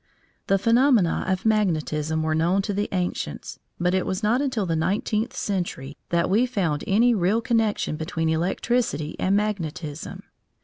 The phenomena of magnetism were known to the ancients, but it was not until the nineteenth century that we found any real connection between electricity and magnetism.